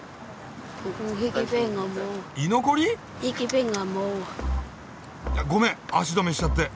居残り？あごめん足止めしちゃって。